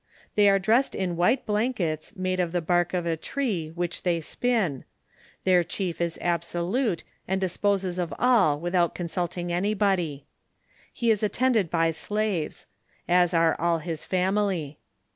They are dressed in white blankets made of the bark of a tree which they spin ; their chief is absolute, and disposes of all without consulting anybody. He is attended by slaves^ as are all his family.